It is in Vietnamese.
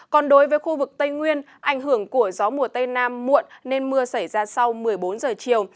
còn đối với khu vực tây nguyên ảnh hưởng của gió mùa tây nam muộn nên mưa xảy ra sau một mươi bốn giờ chiều